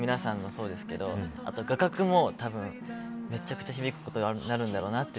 そうですけどあと画角もめちゃくちゃ響くことになるんだろうなと。